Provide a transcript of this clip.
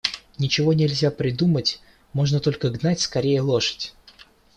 Ничего нельзя придумать, можно только гнать скорее лошадь.